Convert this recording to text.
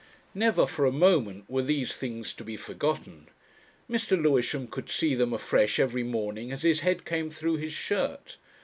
Never for a moment were these things to be forgotten. Mr. Lewisham could see them afresh every morning as his head came through his shirt.